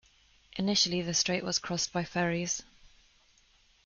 Initially, the strait was crossed by ferries.